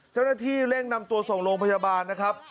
เจ้าหน้าที่เร่งนำตัวส่งโรงพยาบาลนะครับ